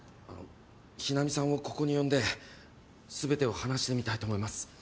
日菜美さんをここに呼んで全てを話してみたいと思います。